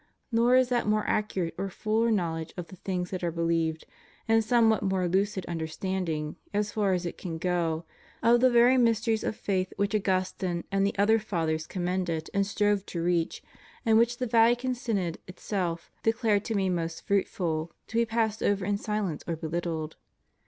Nor is that more accurate or fuller knowledge of the things that are believed, and somewhat more lucid understanding, as far as it can go, of the very mysteries of faith which Augustine and the other Fathers com mended and strove to reach, and which the Vatican Synod itself ' declared to be most fruitful, to be passed over in silence or behttled.